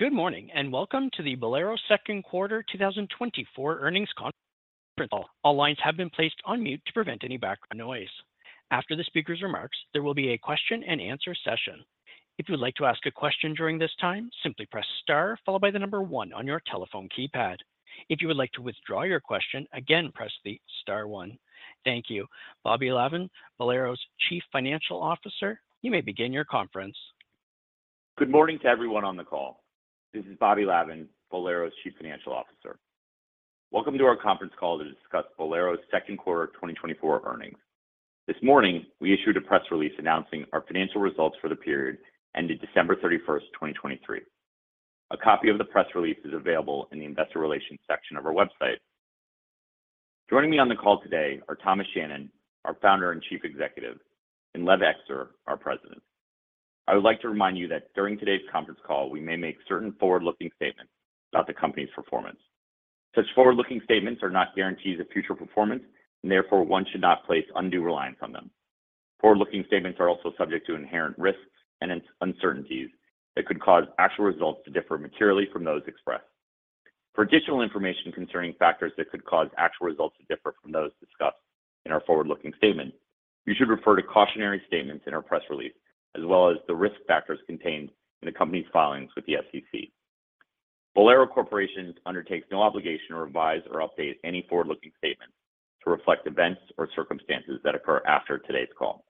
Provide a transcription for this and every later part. Good morning, and welcome to the Bowlero Second Quarter 2024 Earnings Conference Call. All lines have been placed on mute to prevent any background noise. After the speaker's remarks, there will be a question and answer session. If you would like to ask a question during this time, simply press star followed by the number one on your telephone keypad. If you would like to withdraw your question, again, press the star one. Thank you. Bobby Lavan, Bowlero's Chief Financial Officer, you may begin your conference. Good morning to everyone on the call. This is Bobby Lavan, Bowlero's Chief Financial Officer. Welcome to our Conference Call to discuss Bowlero's Second Quarter 2024 Earnings. This morning, we issued a press release announcing our financial results for the period, ending December 31st, 2023. A copy of the press release is available in the Investor Relations section of our website. Joining me on the call today are Thomas Shannon, our Founder and Chief Executive, and Lev Ekster, our President. I would like to remind you that during today's conference call, we may make certain forward-looking statements about the company's performance. Such forward-looking statements are not guarantees of future performance, and therefore, one should not place undue reliance on them. Forward-looking statements are also subject to inherent risks and uncertainties that could cause actual results to differ materially from those expressed. For additional information concerning factors that could cause actual results to differ from those discussed in our forward-looking statement, you should refer to cautionary statements in our press release, as well as the risk factors contained in the company's filings with the SEC. Bowlero Corporation undertakes no obligation to revise or update any forward-looking statement to reflect events or circumstances that occur after today's call.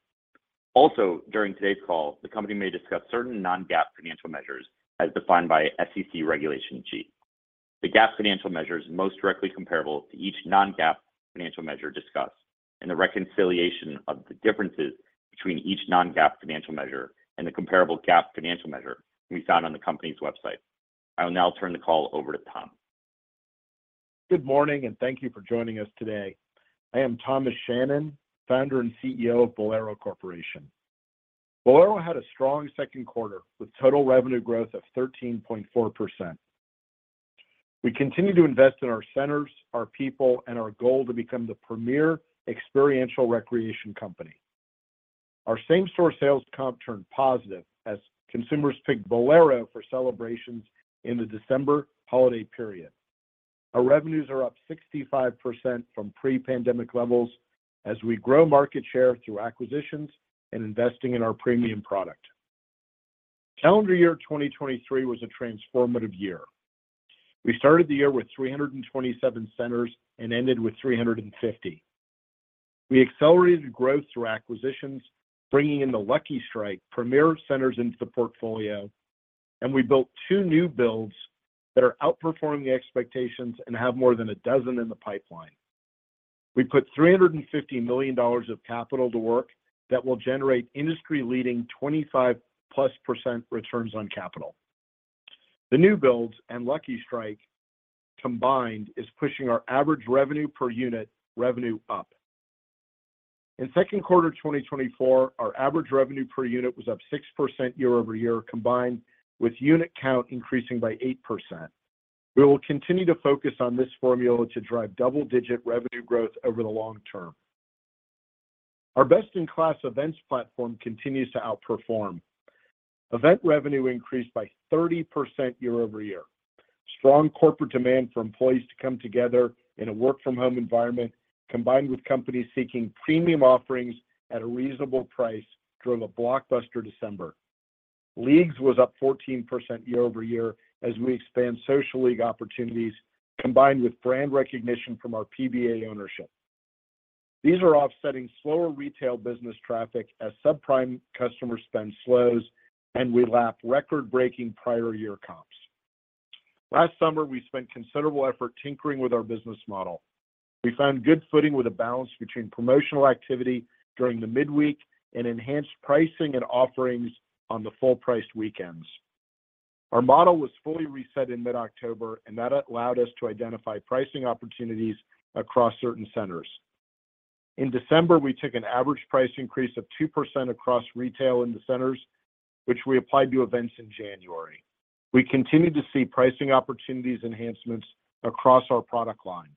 Also, during today's call, the company may discuss certain non-GAAP financial measures as defined by SEC Regulation G. The GAAP financial measure is most directly comparable to each non-GAAP financial measure discussed, and the reconciliation of the differences between each non-GAAP financial measure and the comparable GAAP financial measure can be found on the company's website. I will now turn the call over to Tom. Good morning, and thank you for joining us today. I am Thomas Shannon, Founder and CEO of Bowlero Corporation. Bowlero had a strong second quarter, with total revenue growth of 13.4%. We continue to invest in our centers, our people, and our goal to become the premier experiential recreation company. Our same-store sales comp turned positive as consumers picked Bowlero for celebrations in the December holiday period. Our revenues are up 65% from pre-pandemic levels as we grow market share through acquisitions and investing in our premium product. Calendar year 2023 was a transformative year. We started the year with 327 centers and ended with 350. We accelerated growth through acquisitions, bringing in the Lucky Strike premier centers into the portfolio, and we built two new builds that are outperforming the expectations and have more than a dozen in the pipeline. We put $350 million of capital to work that will generate industry-leading 25%+ returns on capital. The new builds and Lucky Strike, combined, is pushing our average revenue per unit revenue up. In second quarter 2024, our average revenue per unit was up 6% year-over-year, combined with unit count increasing by 8%. We will continue to focus on this formula to drive double-digit revenue growth over the long term. Our best-in-class events platform continues to outperform. Event revenue increased by 30% year-over-year. Strong corporate demand for employees to come together in a work-from-home environment, combined with companies seeking premium offerings at a reasonable price, drove a blockbuster December. Leagues was up 14% year-over-year as we expand social league opportunities, combined with brand recognition from our PBA ownership. These are offsetting slower retail business traffic as subprime customer spend slows, and we lap record-breaking prior year comps. Last summer, we spent considerable effort tinkering with our business model. We found good footing with a balance between promotional activity during the midweek and enhanced pricing and offerings on the full-priced weekends. Our model was fully reset in mid-October, and that allowed us to identify pricing opportunities across certain centers. In December, we took an average price increase of 2% across retail in the centers, which we applied to events in January. We continued to see pricing opportunities enhancements across our product line.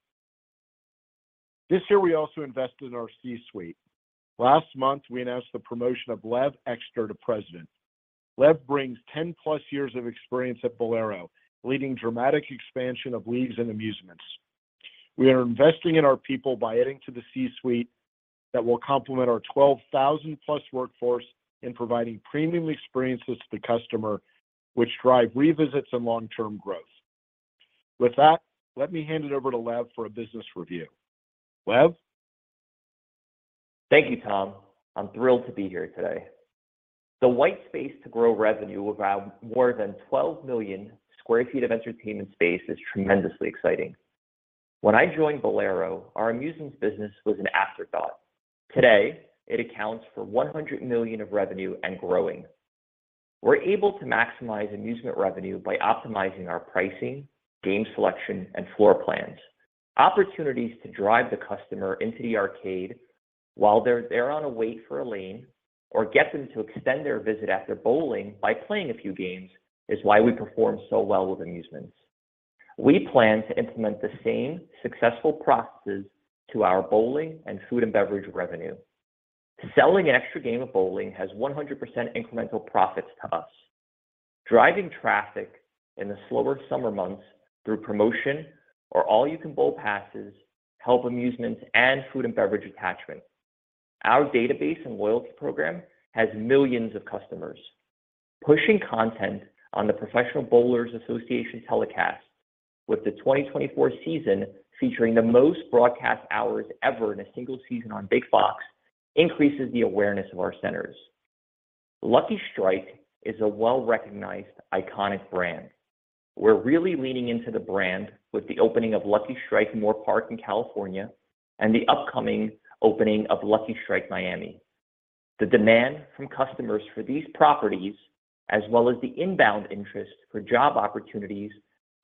This year, we also invested in our C-suite. Last month, we announced the promotion of Lev Ekster to President. Lev brings 10+ years of experience at Bowlero, leading dramatic expansion of leagues and amusements. We are investing in our people by adding to the C-suite that will complement our 12,000+ workforce in providing premium experiences to the customer, which drive revisits and long-term growth. With that, let me hand it over to Lev for a business review. Lev? Thank you, Tom. I'm thrilled to be here today. The white space to grow revenue without more than 12 million sq ft of entertainment space is tremendously exciting. When I joined Bowlero, our amusements business was an afterthought. Today, it accounts for $100 million of revenue and growing. We're able to maximize amusement revenue by optimizing our pricing, game selection, and floor plans. Opportunities to drive the customer into the arcade while they're there on a wait for a lane or get them to extend their visit after bowling by playing a few games, is why we perform so well with amusements. We plan to implement the same successful processes to our bowling and food and beverage revenue.... Selling an extra game of bowling has 100% incremental profits to us. Driving traffic in the slower summer months through promotion or all-you-can-bowl passes, help amusements, and food and beverage attachments. Our database and loyalty program has millions of customers. Pushing content on the Professional Bowlers Association telecast, with the 2024 season featuring the most broadcast hours ever in a single season on Big Fox, increases the awareness of our centers. Lucky Strike is a well-recognized, iconic brand. We're really leaning into the brand with the opening of Lucky Strike Moorpark in California, and the upcoming opening of Lucky Strike Miami. The demand from customers for these properties, as well as the inbound interest for job opportunities,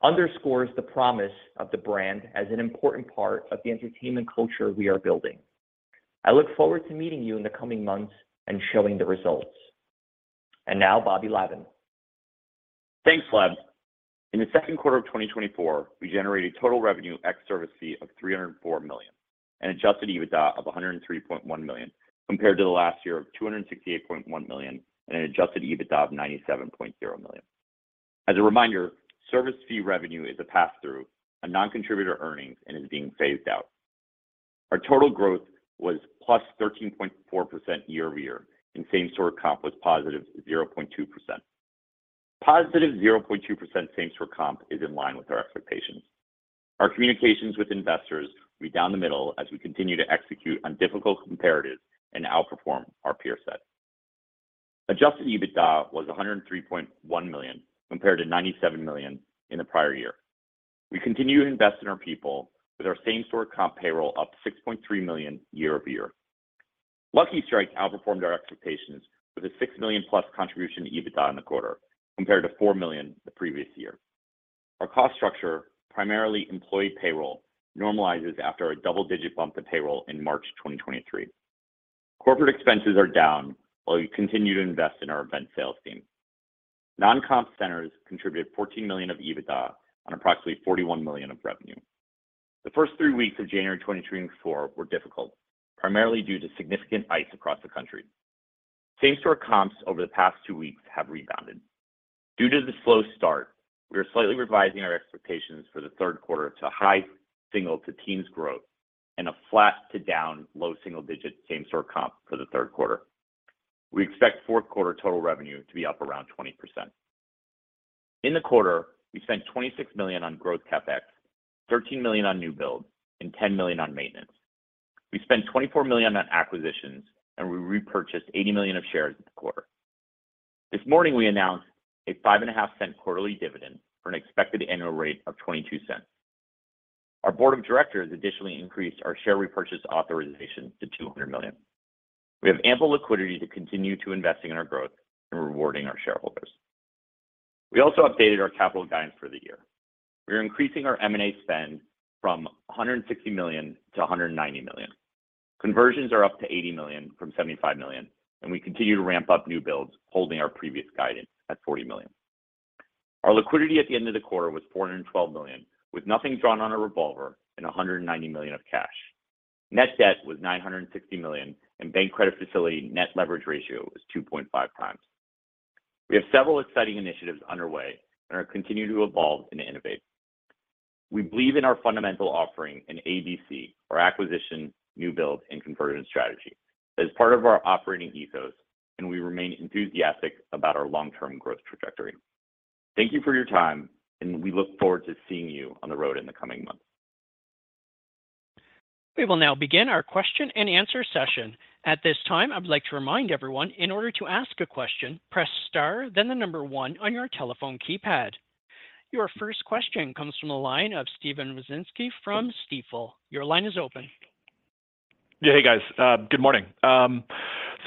underscores the promise of the brand as an important part of the entertainment culture we are building. I look forward to meeting you in the coming months and showing the results. Now, Bobby Lavan. Thanks, Lev. In the second quarter of 2024, we generated total revenue ex service fee of $304 million, and Adjusted EBITDA of $103.1 million, compared to the last year of $268.1 million and an Adjusted EBITDA of $97.0 million. As a reminder, service fee revenue is a passthrough, a non-contributor earnings, and is being phased out. Our total growth was +13.4% year-over-year, and same-store comp was +0.2%. +0.2% same-store comp is in line with our expectations. Our communications with investors rode down the middle as we continue to execute on difficult comparatives and outperform our peer set. Adjusted EBITDA was $103.1 million, compared to $97 million in the prior year. We continue to invest in our people with our same-store comp payroll up to $6.3 million year-over-year. Lucky Strike outperformed our expectations with a $6 million-plus contribution to EBITDA in the quarter, compared to $4 million the previous year. Our cost structure, primarily employee payroll, normalizes after a double-digit bump to payroll in March 2023. Corporate expenses are down while we continue to invest in our event sales team. Non-comp centers contributed $14 million of EBITDA on approximately $41 million of revenue. The first three weeks of January 2024 were difficult, primarily due to significant ice across the country. Same-store comps over the past two weeks have rebounded. Due to the slow start, we are slightly revising our expectations for the third quarter to high single to teens growth, and a flat to down low single digit same-store comp for the third quarter. We expect fourth quarter total revenue to be up around 20%. In the quarter, we spent $26 million on growth CapEx, $13 million on new builds, and $10 million on maintenance. We spent $24 million on acquisitions, and we repurchased $80 million of shares in the quarter. This morning, we announced a $0.055 quarterly dividend for an expected annual rate of $0.22. Our board of directors additionally increased our share repurchase authorization to $200 million. We have ample liquidity to continue to investing in our growth and rewarding our shareholders. We also updated our capital guidance for the year. We are increasing our M&A spend from $160 million to $190 million. Conversions are up to $80 million from $75 million, and we continue to ramp up new builds, holding our previous guidance at $40 million. Our liquidity at the end of the quarter was $412 million, with nothing drawn on a revolver and $190 million of cash. Net debt was $960 million, and bank credit facility net leverage ratio was 2.5 times. We have several exciting initiatives underway and are continuing to evolve and innovate. We believe in our fundamental offering in ABC, our acquisition, new build, and conversion strategy, as part of our operating ethos, and we remain enthusiastic about our long-term growth trajectory. Thank you for your time, and we look forward to seeing you on the road in the coming months. We will now begin our question and answer session. At this time, I would like to remind everyone, in order to ask a question, press star, then the number one on your telephone keypad. Your first question comes from the line of Steven Wieczynski from Stifel. Your line is open. Yeah. Hey, guys, good morning.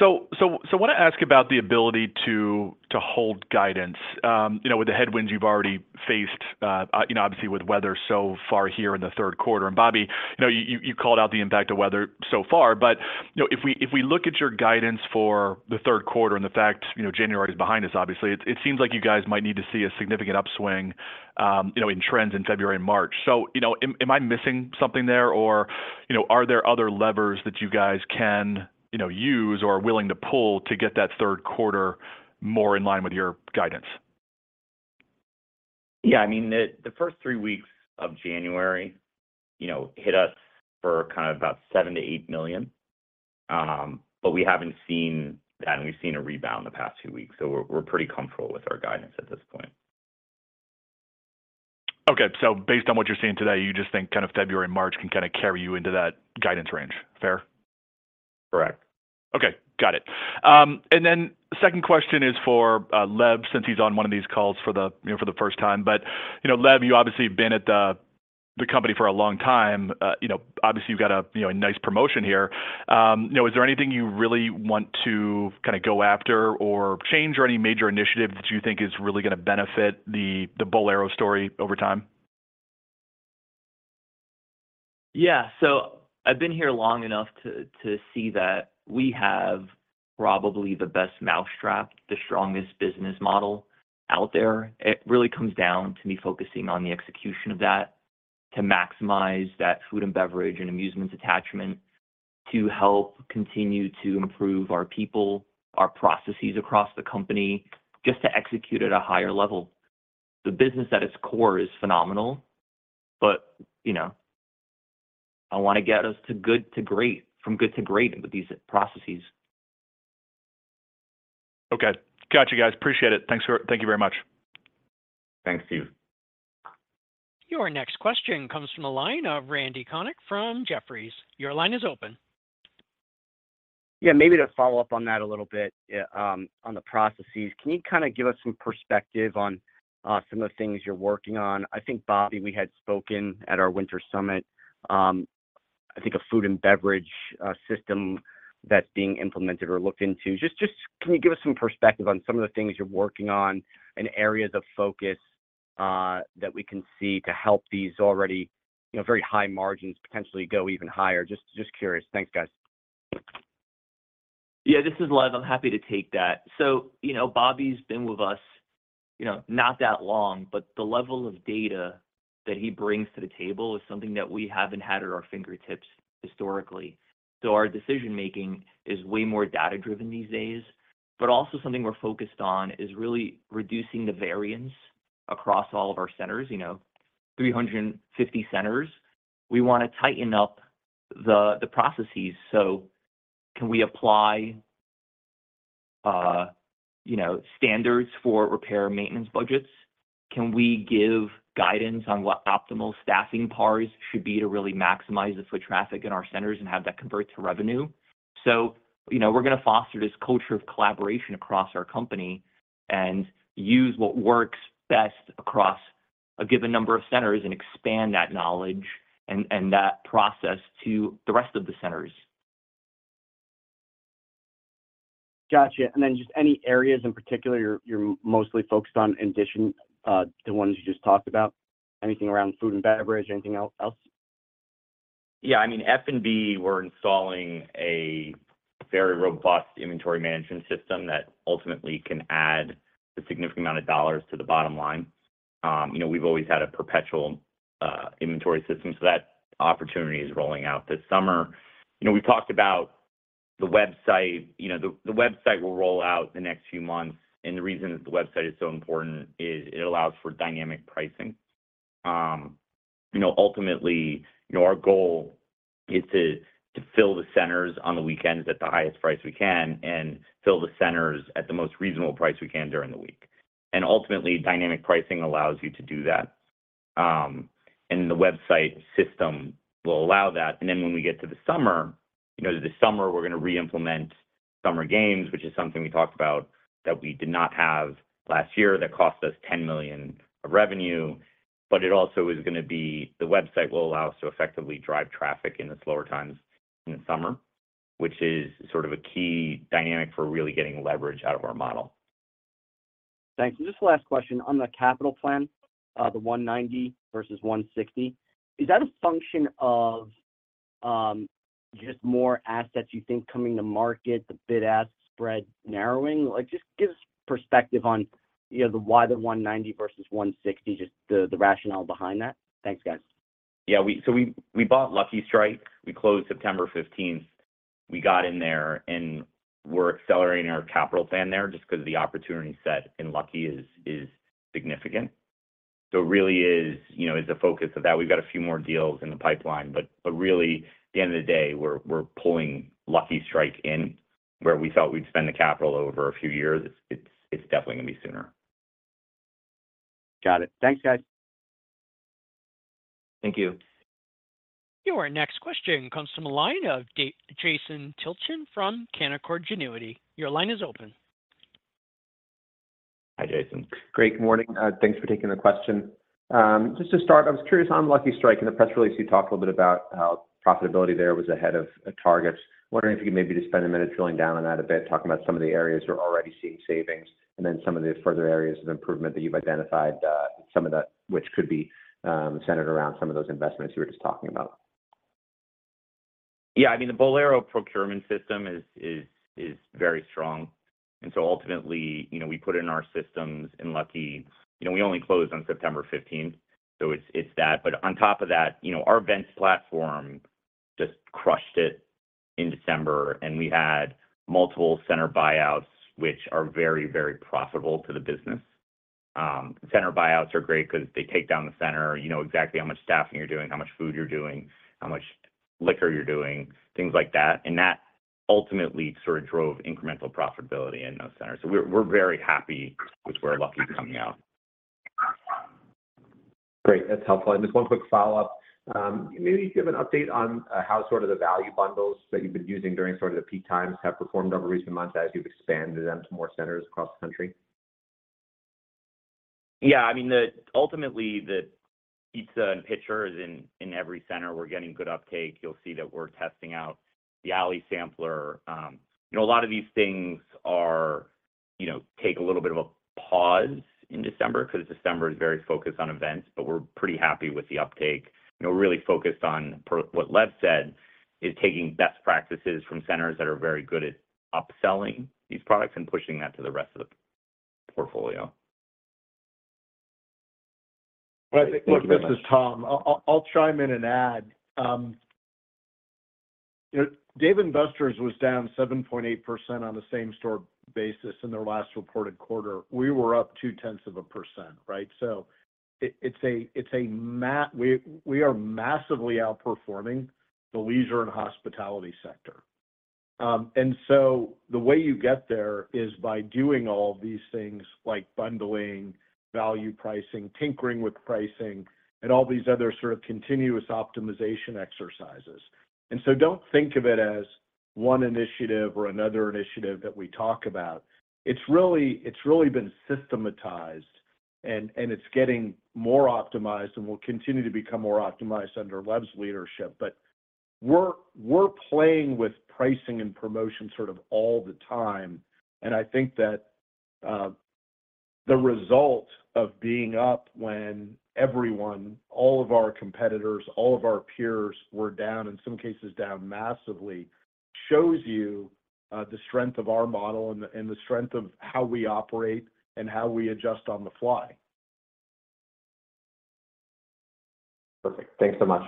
So, I wanna ask about the ability to hold guidance. You know, with the headwinds you've already faced, you know, obviously with weather so far here in the third quarter. And Bobby, you know, you called out the impact of weather so far, but, you know, if we look at your guidance for the third quarter and the fact, you know, January is behind us, obviously, it seems like you guys might need to see a significant upswing, you know, in trends in February and March. So, you know, am I missing something there? Or, you know, are there other levers that you guys can, you know, use or are willing to pull to get that third quarter more in line with your guidance? Yeah, I mean, the first three weeks of January, you know, hit us for kind of about $7 million-$8 million. But we haven't seen... And we've seen a rebound the past two weeks, so we're pretty comfortable with our guidance at this point. Okay. So based on what you're seeing today, you just think kind of February, March can kinda carry you into that guidance range. Fair? Correct. Okay, got it. And then second question is for Lev, since he's on one of these calls for the first time. But you know, Lev, you obviously been at the company for a long time. You know, obviously, you've got a nice promotion here. You know, is there anything you really want to kinda go after or change, or any major initiative that you think is really gonna benefit the Bowlero story over time? Yeah. So I've been here long enough to see that we have probably the best mousetrap, the strongest business model out there. It really comes down to me focusing on the execution of that... to maximize that food and beverage, and amusement attachment, to help continue to improve our people, our processes across the company, just to execute at a higher level. The business at its core is phenomenal, but, you know, I wanna get us to good to great, from good to great with these processes. Okay. Got you, guys. Appreciate it. Thank you very much. Thanks, Steve. Your next question comes from the line of Randy Konik from Jefferies. Your line is open. Yeah, maybe to follow up on that a little bit, on the processes. Can you kind of give us some perspective on some of the things you're working on? I think, Bobby, we had spoken at our winter summit. I think a food and beverage system that's being implemented or looked into. Just, just can you give us some perspective on some of the things you're working on and areas of focus that we can see to help these already, you know, very high margins potentially go even higher? Just curious. Thanks, guys. Yeah, this is Lev. I'm happy to take that. So, you know, Bobby's been with us, you know, not that long, but the level of data that he brings to the table is something that we haven't had at our fingertips historically. So our decision-making is way more data-driven these days. But also something we're focused on is really reducing the variance across all of our centers, you know, 350 centers. We wanna tighten up the processes, so can we apply, you know, standards for repair and maintenance budgets? Can we give guidance on what optimal staffing pars should be to really maximize the foot traffic in our centers and have that convert to revenue? You know, we're gonna foster this culture of collaboration across our company and use what works best across a given number of centers and expand that knowledge and that process to the rest of the centers. Gotcha. And then just any areas in particular you're mostly focused on, in addition to the ones you just talked about? Anything around food and beverage, anything else? Yeah, I mean, F&B, we're installing a very robust inventory management system that ultimately can add a significant amount of dollars to the bottom line. You know, we've always had a perpetual inventory system, so that opportunity is rolling out this summer. You know, we talked about the website. You know, the website will roll out in the next few months, and the reason that the website is so important is it allows for dynamic pricing. You know, ultimately, you know, our goal is to fill the centers on the weekends at the highest price we can, and fill the centers at the most reasonable price we can during the week. And ultimately, dynamic pricing allows you to do that. And the website system will allow that. And then when we get to the summer, you know, the summer we're gonna re-implement Summer Games, which is something we talked about that we did not have last year, that cost us $10 million of revenue. But it also is gonna be... the website will allow us to effectively drive traffic in the slower times in the summer, which is sort of a key dynamic for really getting leverage out of our model. Thanks. Just last question. On the capital plan, the $190 versus $160, is that a function of just more assets you think coming to market, the bid-ask spread narrowing? Like, just give us perspective on, you know, the why the $190 versus $160, just the, the rationale behind that. Thanks, guys. Yeah, so we bought Lucky Strike. We closed September 15th. We got in there, and we're accelerating our capital plan there, just because the opportunity set in Lucky is significant. So it really is, you know, the focus of that. We've got a few more deals in the pipeline, but really, at the end of the day, we're pulling Lucky Strike in where we thought we'd spend the capital over a few years. It's definitely gonna be sooner. Got it. Thanks, guys. Thank you. Your next question comes from the line of Jason Tilchin from Canaccord Genuity. Your line is open. Hi, Jason. Great, good morning. Thanks for taking the question. Just to start, I was curious on Lucky Strike. In the press release, you talked a little bit about how profitability there was ahead of targets. Wondering if you could maybe just spend a minute drilling down on that a bit, talking about some of the areas you're already seeing savings, and then some of the further areas of improvement that you've identified, some of that which could be centered around some of those investments you were just talking about. Yeah, I mean, the Bowlero procurement system is very strong, and so ultimately, you know, we put in our systems in Lucky... You know, we only closed on September 15, so it's that. But on top of that, you know, our events platform just crushed it in December, and we had multiple center buyouts, which are very, very profitable to the business. Center buyouts are great 'cause they take down the center. You know exactly how much staffing you're doing, how much food you're doing, how much liquor you're doing, things like that, and that ultimately sort of drove incremental profitability in those centers. So we're very happy with where Lucky is coming out. Great, that's helpful. Just one quick follow-up. Maybe give an update on how sort of the value bundles that you've been using during sort of the peak times have performed over recent months, as you've expanded them to more centers across the country? Yeah, I mean, ultimately, the pizza and pitcher is in every center. We're getting good uptake. You'll see that we're testing out the Alley Sampler. You know, a lot of these things are, you know, take a little bit of a pause in December, 'cause December is very focused on events, but we're pretty happy with the uptake. You know, we're really focused on pro- what Lev said, is taking best practices from centers that are very good at upselling these products and pushing that to the rest of the-... portfolio. Well, I think, look, this is Tom. I'll chime in and add, you know, Dave & Buster's was down 7.8% on the same-store basis in their last reported quarter. We were up 0.2%, right? So it's a massive. We are massively outperforming the leisure and hospitality sector. And so the way you get there is by doing all these things like bundling, value pricing, tinkering with pricing, and all these other sort of continuous optimization exercises. And so don't think of it as one initiative or another initiative that we talk about. It's really, it's really been systematized, and it's getting more optimized and will continue to become more optimized under Lev's leadership. But we're playing with pricing and promotion sort of all the time, and I think that the result of being up when everyone, all of our competitors, all of our peers were down, in some cases down massively, shows you the strength of our model and the strength of how we operate and how we adjust on the fly. Perfect. Thanks so much.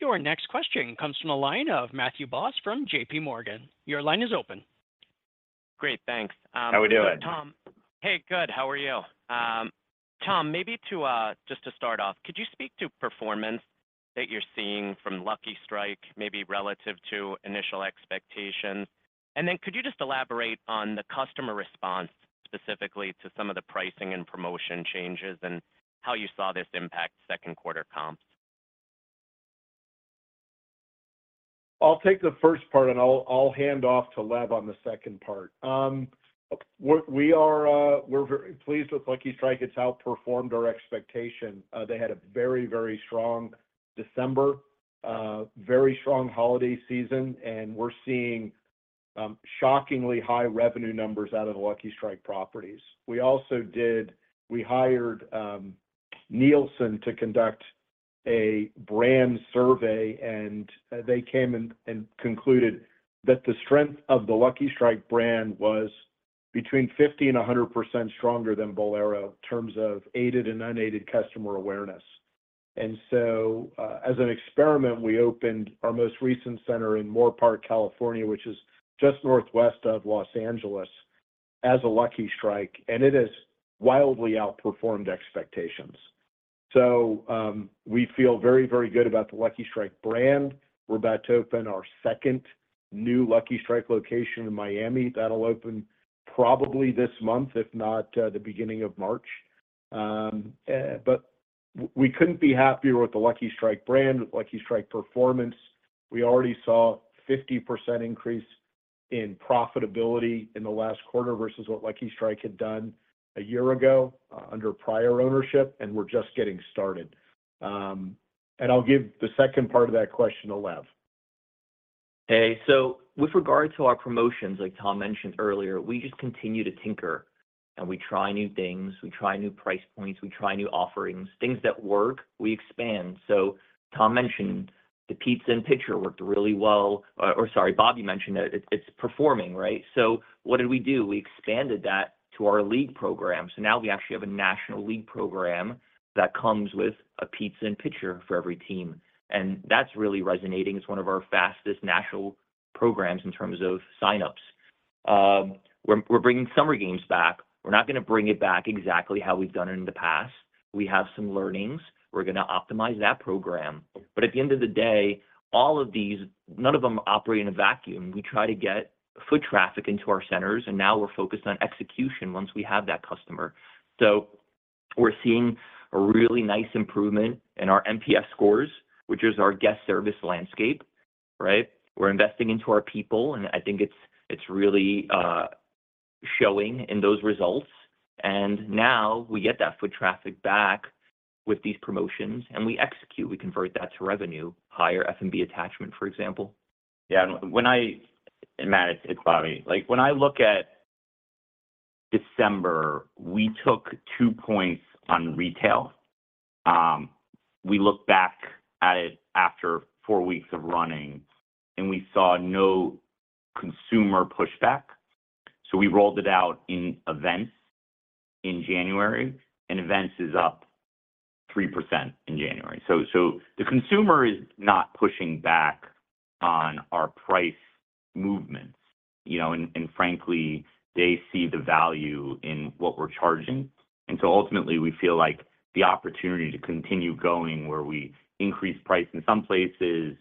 Your next question comes from the line of Matthew Boss from JPMorgan. Your line is open. Great, thanks. How we doing? Tom. Hey, good. How are you? Tom, maybe just to start off, could you speak to performance that you're seeing from Lucky Strike, maybe relative to initial expectations? And then could you just elaborate on the customer response, specifically to some of the pricing and promotion changes, and how you saw this impact second quarter comps? I'll take the first part, and I'll, I'll hand off to Lev on the second part. We are, we're very pleased with Lucky Strike. It's outperformed our expectation. They had a very, very strong December, very strong holiday season, and we're seeing, shockingly high revenue numbers out of the Lucky Strike properties. We also hired, Nielsen to conduct a brand survey, and, they came and, and concluded that the strength of the Lucky Strike brand was between 50% and 100% stronger than Bowlero, in terms of aided and unaided customer awareness. And so, as an experiment, we opened our most recent center in Moorpark, California, which is just northwest of Los Angeles, as a Lucky Strike, and it has wildly outperformed expectations. So, we feel very, very good about the Lucky Strike brand. We're about to open our second new Lucky Strike location in Miami. That'll open probably this month, if not, the beginning of March. But we couldn't be happier with the Lucky Strike brand, with Lucky Strike performance. We already saw 50% increase in profitability in the last quarter versus what Lucky Strike had done a year ago, under prior ownership, and we're just getting started. And I'll give the second part of that question to Lev. Hey, so with regard to our promotions, like Tom mentioned earlier, we just continue to tinker, and we try new things. We try new price points. We try new offerings. Things that work, we expand. So Tom mentioned the pizza and pitcher worked really well, or, or sorry, Bobby mentioned it. It's performing, right? So what did we do? We expanded that to our league program. So now we actually have a national league program that comes with a pizza and pitcher for every team, and that's really resonating. It's one of our fastest national programs in terms of signups. We're bringing Summer Games back. We're not gonna bring it back exactly how we've done it in the past. We have some learnings. We're gonna optimize that program, but at the end of the day, all of these, none of them operate in a vacuum. We try to get foot traffic into our centers, and now we're focused on execution once we have that customer. So we're seeing a really nice improvement in our NPS scores, which is our guest service landscape, right? We're investing into our people, and I think it's, it's really showing in those results. And now we get that foot traffic back with these promotions, and we execute. We convert that to revenue, higher F&B attachment, for example. Yeah, Matt, it's Bobby. Like, when I look at December, we took two points on retail. We looked back at it after four weeks of running, and we saw no consumer pushback, so we rolled it out in events in January, and events is up 3% in January. So, so the consumer is not pushing back on our price movements, you know, and, and frankly, they see the value in what we're charging. And so ultimately, we feel like the opportunity to continue going, where we increase price in some places,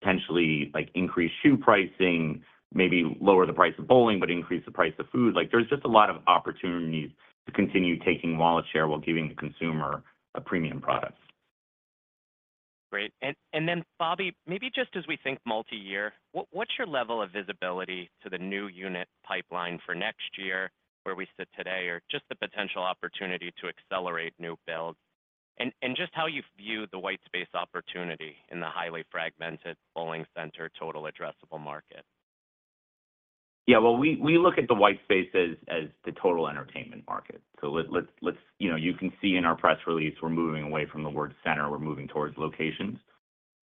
potentially, like, increase shoe pricing, maybe lower the price of bowling, but increase the price of food, like, there's just a lot of opportunities to continue taking wallet share while giving the consumer a premium product. Great. And then, Bobby, maybe just as we think multi-year, what's your level of visibility to the new unit pipeline for next year, where we sit today, or just the potential opportunity to accelerate new builds? And just how you view the white space opportunity in the highly fragmented bowling center total addressable market. Yeah, well, we look at the white space as the total entertainment market. So let's, you know, you can see in our press release, we're moving away from the word "center." We're moving towards locations.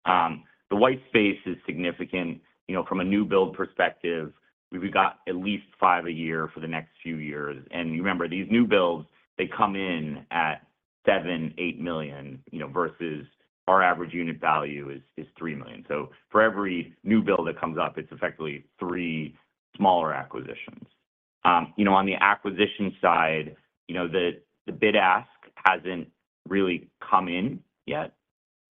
The white space is significant, you know, from a new build perspective. We've got at least five a year for the next few years. And remember, these new builds, they come in at $7 million-$8 million, you know, versus our average unit value is $3 million. So for every new build that comes up, it's effectively three smaller acquisitions. You know, on the acquisition side, you know, the bid ask hasn't really come in yet.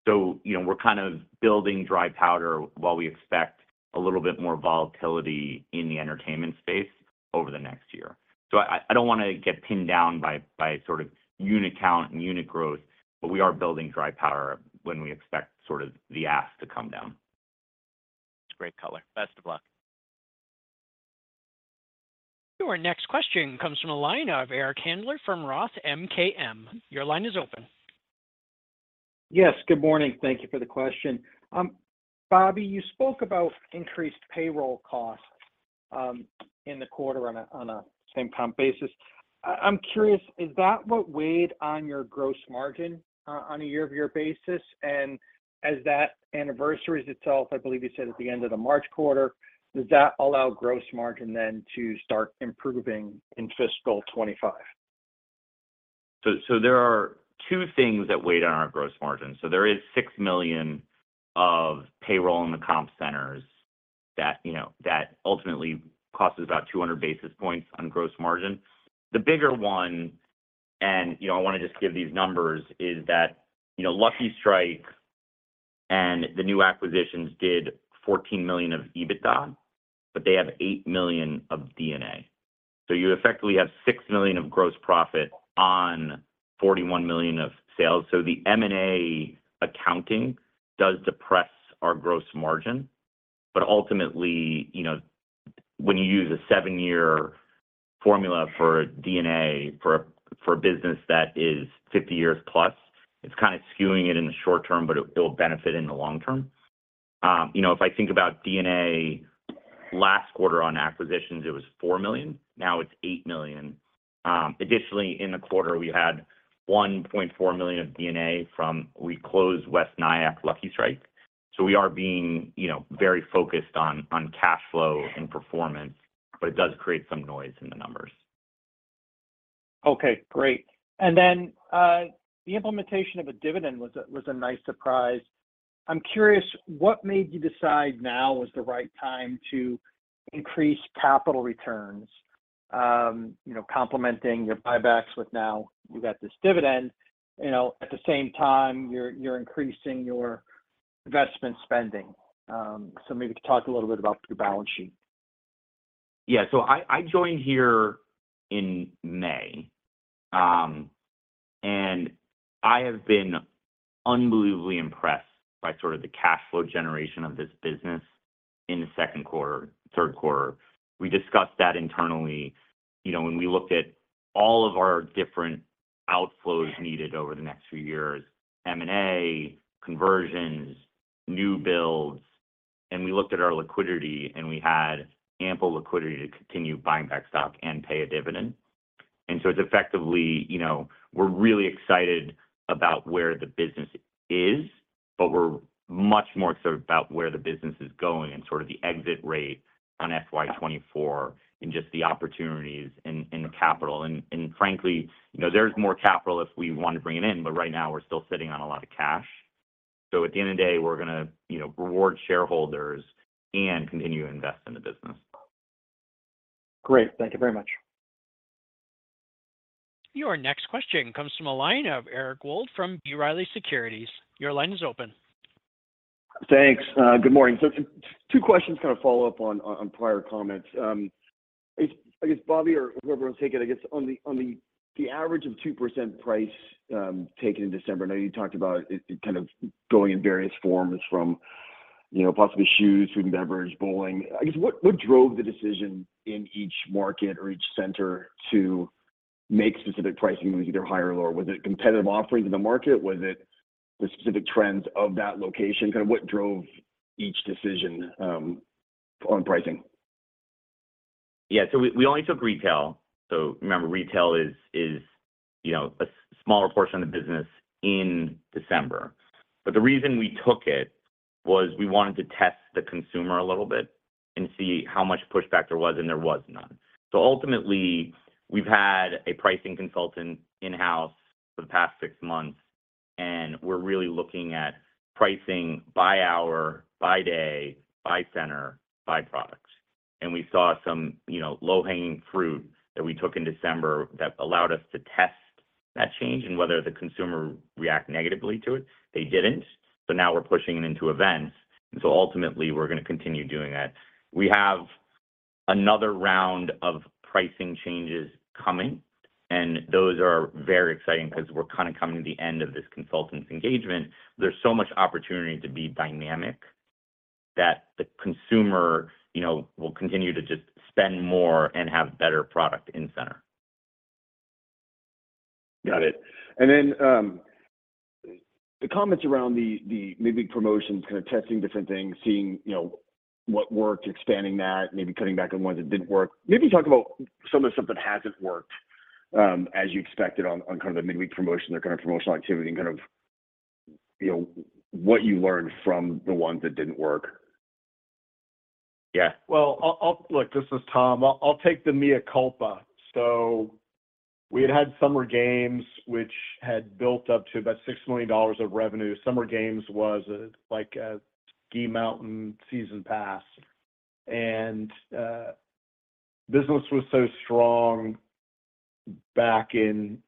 So, you know, we're kind of building dry powder while we expect a little bit more volatility in the entertainment space over the next year. I don't want to get pinned down by sort of unit count and unit growth, but we are building dry powder when we expect sort of the ask to come down. It's a great color. Best of luck. Your next question comes from the line of Eric Handler from Roth MKM. Your line is open. Yes. Good morning. Thank you for the question. Bobby, you spoke about increased payroll costs in the quarter on a same-time basis. I'm curious, is that what weighed on your gross margin on a year-over-year basis? And as that anniversaries itself, I believe you said at the end of the March quarter, does that allow gross margin then to start improving in fiscal 25? So there are two things that weighed on our gross margin. So there is $6 million of payroll in the comp centers that, you know, that ultimately costs us about 200 basis points on gross margin. The bigger one, and, you know, I want to just give these numbers, is that, you know, Lucky Strike and the new acquisitions did $14 million of EBITDA, but they have $8 million of D&A. So you effectively have $6 million of gross profit on $41 million of sales. So the M&A accounting does depress our gross margin. But ultimately, you know, when you use a seven-year formula for D&A for a business that is 50+ years, it's kind of skewing it in the short term, but it'll benefit in the long term. You know, if I think about DNA, last quarter on acquisitions, it was $4 million, now it's $8 million. Additionally, in the quarter, we had $1.4 million of DNA from... We closed West Nyack Lucky Strike. So we are being, you know, very focused on, on cash flow and performance, but it does create some noise in the numbers. Okay, great. Then, the implementation of a dividend was a nice surprise. I'm curious, what made you decide now was the right time to increase capital returns? You know, complementing your buybacks with now you've got this dividend, you know, at the same time, you're increasing your investment spending. So maybe talk a little bit about your balance sheet. Yeah. So I, I joined here in May, and I have been unbelievably impressed by sort of the cash flow generation of this business in the second quarter, third quarter. We discussed that internally. You know, when we looked at all of our different outflows needed over the next few years, M&A, conversions, new builds, and we looked at our liquidity, and we had ample liquidity to continue buying back stock and pay a dividend. And so it's effectively, you know, we're really excited about where the business is, but we're much more excited about where the business is going and sort of the exit rate on FY 2024 and just the opportunities in, in capital. And, and frankly, you know, there's more capital if we want to bring it in, but right now, we're still sitting on a lot of cash. At the end of the day, we're going to, you know, reward shareholders and continue to invest in the business. Great. Thank you very much. Your next question comes from a line of Eric Wold from B. Riley Securities. Your line is open. Thanks. Good morning. So two questions, kind of follow up on prior comments. I guess Bobby or whoever will take it, I guess on the average of 2% price taken in December. I know you talked about it, it kind of going in various forms from, you know, possibly shoes, food and beverage, bowling. I guess what drove the decision in each market or each center to make specific pricing either higher or lower? Was it competitive offerings in the market? Was it the specific trends of that location? Kind of what drove each decision on pricing? Yeah. So we only took retail. So remember, retail is you know a smaller portion of the business in December. But the reason we took it was we wanted to test the consumer a little bit and see how much pushback there was, and there was none. So ultimately, we've had a pricing consultant in-house for the past six months, and we're really looking at pricing by hour, by day, by center, by product. And we saw some you know low-hanging fruit that we took in December that allowed us to test that change and whether the consumer react negatively to it. They didn't, so now we're pushing it into events. And so ultimately, we're going to continue doing that. We have another round of pricing changes coming, and those are very exciting because we're kind of coming to the end of this consultant's engagement. There's so much opportunity to be dynamic that the consumer, you know, will continue to just spend more and have better product in center. Got it. And then, the comments around the maybe promotions, kind of testing different things, seeing, you know, what worked, expanding that, maybe cutting back on the ones that didn't work. Maybe talk about some of the stuff that hasn't worked... as you expected on kind of the midweek promotion or kind of promotional activity and kind of, you know, what you learned from the ones that didn't work? Yeah. Well, I'll look, this is Tom. I'll take the mea culpa. So we had had Summer Games, which had built up to about $6 million of revenue. Summer Games was a, like a ski mountain season pass, and business was so strong back in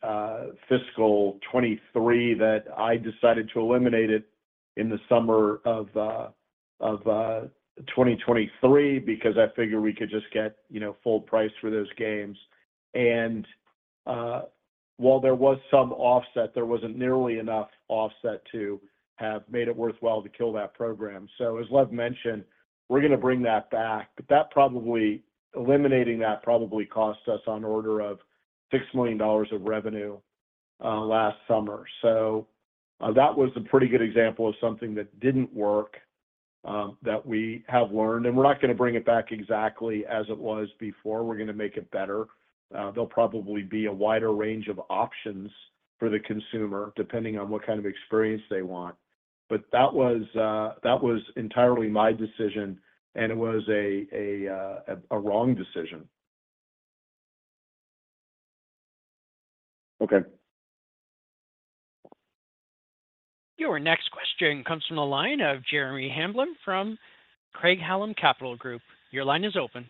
fiscal 2023 that I decided to eliminate it in the summer of 2023 because I figured we could just get, you know, full price for those games. And while there was some offset, there wasn't nearly enough offset to have made it worthwhile to kill that program. So as Lev mentioned, we're gonna bring that back. But that probably... eliminating that probably cost us on order of $6 million of revenue last summer. So, that was a pretty good example of something that didn't work, that we have learned, and we're not gonna bring it back exactly as it was before. We're gonna make it better. There'll probably be a wider range of options for the consumer, depending on what kind of experience they want. But that was, that was entirely my decision, and it was a wrong decision. Okay. Your next question comes from the line of Jeremy Hamblin from Craig-Hallum Capital Group. Your line is open.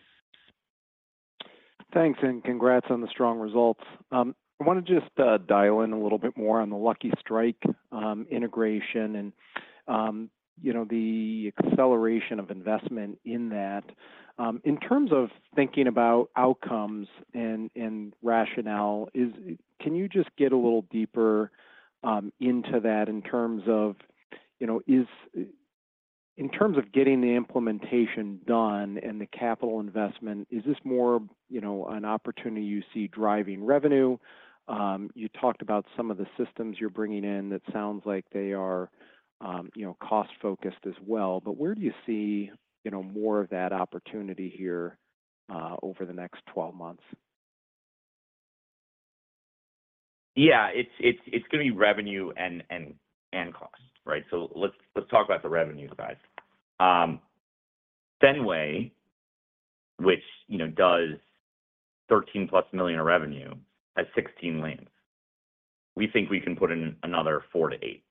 Thanks, and congrats on the strong results. I want to just dial in a little bit more on the Lucky Strike integration and, you know, the acceleration of investment in that. In terms of thinking about outcomes and rationale, can you just get a little deeper into that in terms of, you know, is... In terms of getting the implementation done and the capital investment, is this more, you know, an opportunity you see driving revenue? You talked about some of the systems you're bringing in. That sounds like they are, you know, cost-focused as well. But where do you see, you know, more of that opportunity here over the next 12 months? Yeah, it's gonna be revenue and cost, right? So let's talk about the revenue side. Fenway, which, you know, does $13+ million of revenue, has 16 lanes. We think we can put in another four to eight.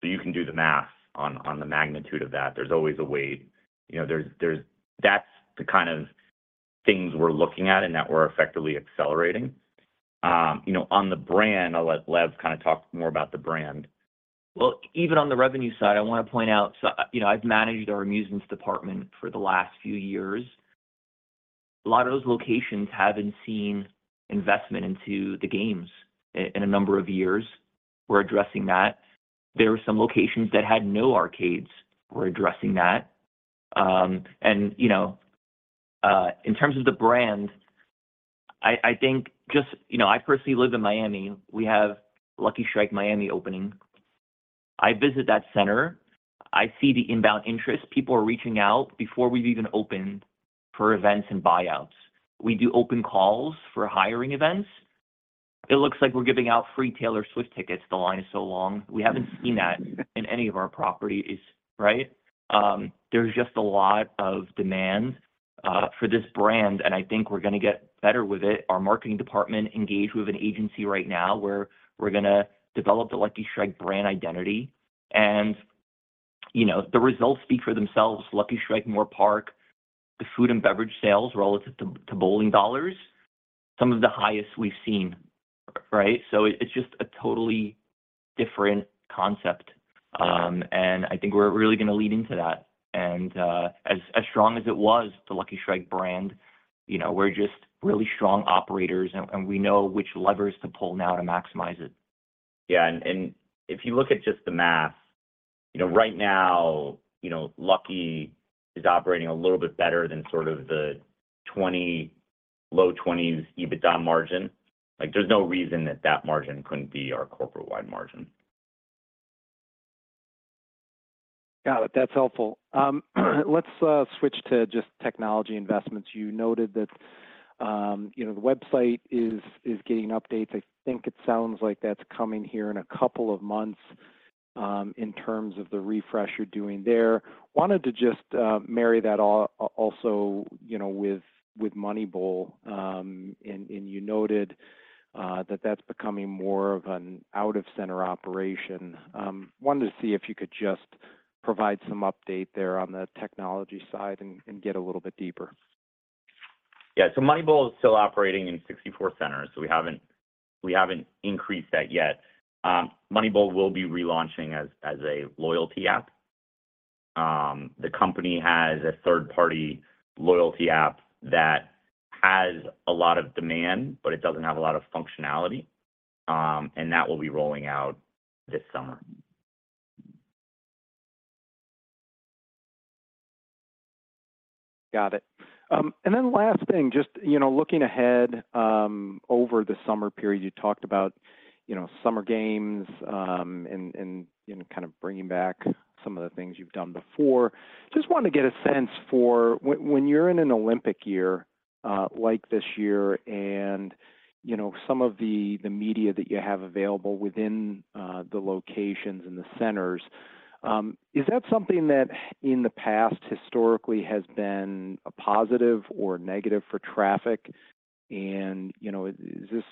So you can do the math on the magnitude of that. There's always a wait. You know, that's the kind of things we're looking at and that we're effectively accelerating. You know, on the brand, I'll let Lev kind of talk more about the brand. Well, even on the revenue side, I want to point out, so, you know, I've managed our amusements department for the last few years. A lot of those locations haven't seen investment into the games in a number of years. We're addressing that. There are some locations that had no arcades. We're addressing that. And, you know, in terms of the brand, I think just... You know, I personally live in Miami. We have Lucky Strike Miami opening. I visit that center. I see the inbound interest. People are reaching out before we've even opened for events and buyouts. We do open calls for hiring events. It looks like we're giving out free Taylor Swift tickets. The line is so long. We haven't seen that in any of our properties, right? There's just a lot of demand for this brand, and I think we're gonna get better with it. Our marketing department engaged with an agency right now, where we're gonna develop the Lucky Strike brand identity. You know, the results speak for themselves. Lucky Strike, Moorpark, the food and beverage sales relative to, to bowling dollars, some of the highest we've seen, right? So it's just a totally different concept. And I think we're really gonna lean into that. And, as strong as it was, the Lucky Strike brand, you know, we're just really strong operators, and we know which levers to pull now to maximize it. Yeah. And if you look at just the math, you know, right now, you know, Lucky is operating a little bit better than sort of the 20, low 20s EBITDA margin. Like, there's no reason that that margin couldn't be our corporate-wide margin. Got it. That's helpful. Let's switch to just technology investments. You noted that, you know, the website is getting updates. I think it sounds like that's coming here in a couple of months, in terms of the refresh you're doing there. Wanted to just marry that also, you know, with Moneybowl. And you noted that that's becoming more of an out-of-center operation. Wanted to see if you could just provide some update there on the technology side and get a little bit deeper. Yeah. So Moneybowl is still operating in 64 centers, so we haven't increased that yet. Moneybowl will be relaunching as a loyalty app. The company has a third-party loyalty app that has a lot of demand, but it doesn't have a lot of functionality. And that will be rolling out this summer.... Got it. And then last thing, just, you know, looking ahead, over the summer period, you talked about, you know, summer games, and, and, you know, kind of bringing back some of the things you've done before. Just wanted to get a sense for when, when you're in an Olympic year, like this year and, you know, some of the, the media that you have available within, the locations and the centers, is that something that in the past historically has been a positive or negative for traffic? And, you know, is this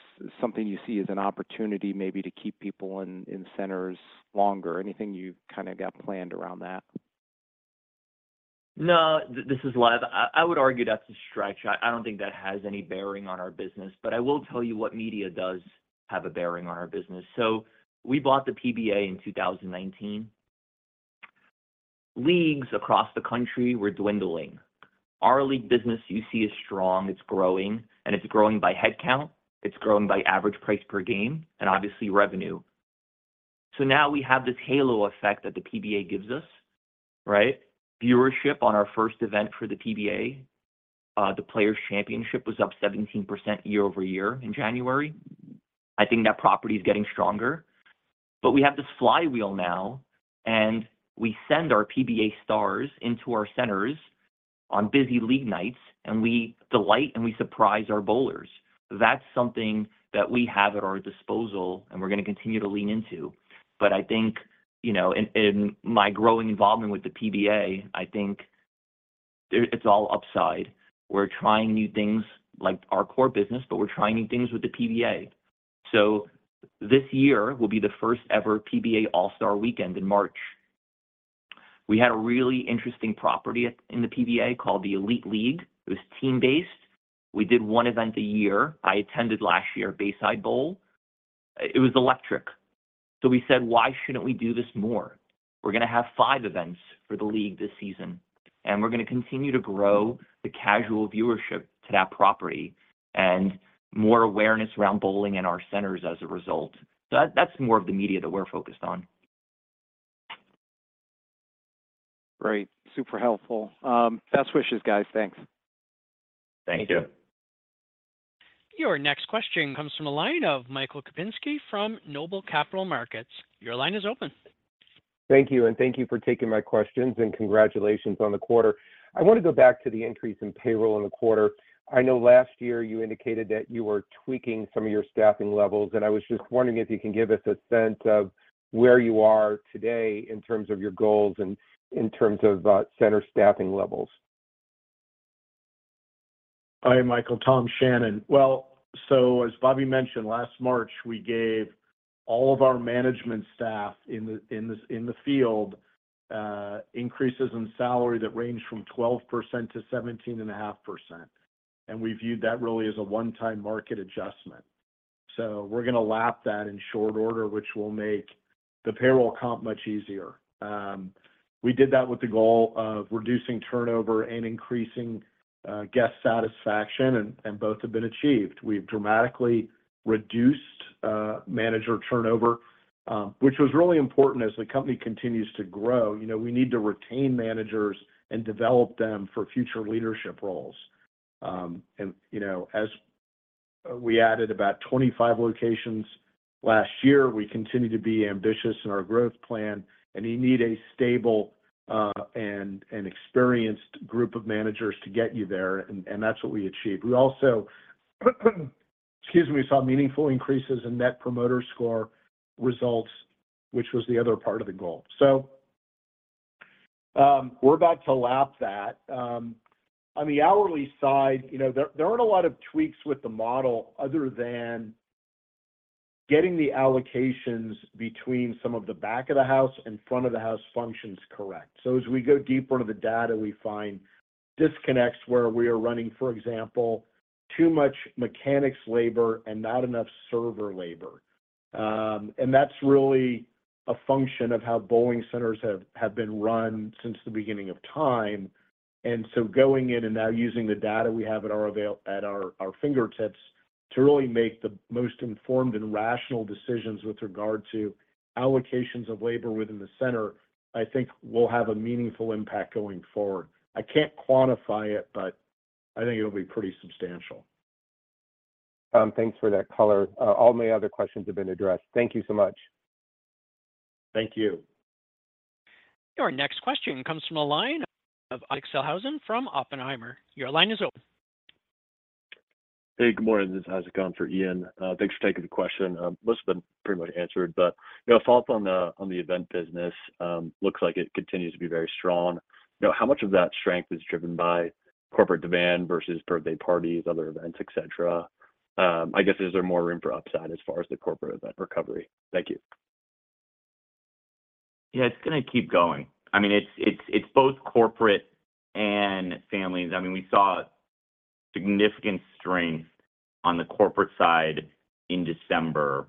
something you see as an opportunity maybe to keep people in, in centers longer? Anything you've kind of got planned around that? No, this is Lev. I would argue that's a shot. I don't think that has any bearing on our business, but I will tell you what media does have a bearing on our business. So we bought the PBA in 2019. Leagues across the country were dwindling. Our league business, you see, is strong, it's growing, and it's growing by head count, it's growing by average price per game, and obviously revenue. So now we have this halo effect that the PBA gives us, right? Viewership on our first event for the PBA, the Players Championship, was up 17% year-over-year in January. I think that property is getting stronger. But we have this flywheel now, and we send our PBA stars into our centers on busy league nights, and we delight and we surprise our bowlers. That's something that we have at our disposal and we're gonna continue to lean into. But I think, you know, in my growing involvement with the PBA, I think it's all upside. We're trying new things like our core business, but we're trying new things with the PBA. So this year will be the first ever PBA All-Star Weekend in March. We had a really interesting property in the PBA called the Elite League. It was team-based. We did one event a year. I attended last year, Bayside Bowl. It was electric. So we said: Why shouldn't we do this more? We're gonna have five events for the league this season, and we're gonna continue to grow the casual viewership to that property and more awareness around bowling in our centers as a result. So that, that's more of the media that we're focused on. Great, super helpful. Best wishes, guys. Thanks. Thank you. Your next question comes from the line of Michael Kupinski from Noble Capital Markets. Your line is open. Thank you, and thank you for taking my questions, and congratulations on the quarter. I want to go back to the increase in payroll in the quarter. I know last year you indicated that you were tweaking some of your staffing levels, and I was just wondering if you can give us a sense of where you are today in terms of your goals and in terms of center staffing levels. Hi, Michael, Tom Shannon. Well, so as Bobby mentioned, last March, we gave all of our management staff in the field increases in salary that ranged from 12%-17.5%, and we viewed that really as a one-time market adjustment. So we're gonna lap that in short order, which will make the payroll comp much easier. We did that with the goal of reducing turnover and increasing guest satisfaction, and both have been achieved. We've dramatically reduced manager turnover, which was really important as the company continues to grow. You know, we need to retain managers and develop them for future leadership roles. You know, as we added about 25 locations last year, we continue to be ambitious in our growth plan, and you need a stable and experienced group of managers to get you there, and that's what we achieved. We also, excuse me, we saw meaningful increases in Net Promoter Score results, which was the other part of the goal. So, we're about to lap that. On the hourly side, you know, there aren't a lot of tweaks with the model other than getting the allocations between some of the back of the house and front of the house functions correct. So as we go deeper into the data, we find disconnects where we are running, for example, too much mechanics labor and not enough server labor. And that's really a function of how bowling centers have been run since the beginning of time. And so going in and now using the data we have at our fingertips to really make the most informed and rational decisions with regard to allocations of labor within the center, I think will have a meaningful impact going forward. I can't quantify it, but I think it'll be pretty substantial. Thanks for that color. All my other questions have been addressed. Thank you so much. Thank you. Your next question comes from the line of Alex Silhavy from Oppenheimer. Your line is open. Hey, good morning. This is Ian for Alex Silhavy. Thanks for taking the question. Most have been pretty much answered, but, you know, follow up on the, on the event business, looks like it continues to be very strong. You know, how much of that strength is driven by corporate demand versus birthday parties, other events, et cetera? I guess, is there more room for upside as far as the corporate event recovery? Thank you. Yeah, it's gonna keep going. I mean, it's both corporate and families. I mean, we saw significant strength on the corporate side in December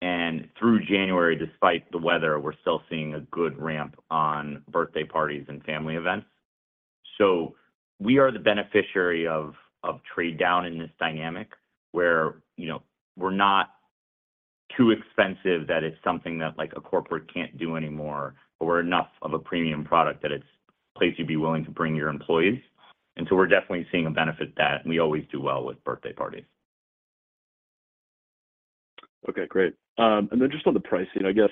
and through January, despite the weather, we're still seeing a good ramp on birthday parties and family events. So we are the beneficiary of trade down in this dynamic, where, you know, we're not too expensive that it's something that, like, a corporate can't do anymore, but we're enough of a premium product that it's a place you'd be willing to bring your employees. And so we're definitely seeing a benefit to that, and we always do well with birthday parties. Okay, great. And then just on the pricing, I guess,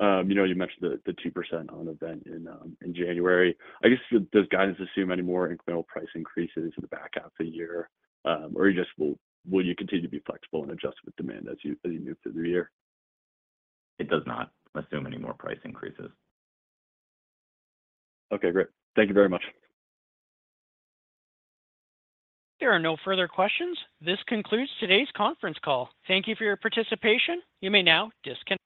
you know, you mentioned the 2% on event in January. I guess, does guidance assume any more incremental price increases in the back half of the year, or will you continue to be flexible and adjust with demand as you move through the year? It does not assume any more price increases. Okay, great. Thank you very much. There are no further questions. This concludes today's conference call. Thank you for your participation. You may now disconnect.